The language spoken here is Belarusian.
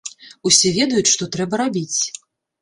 Усе ведаюць, што трэба рабіць.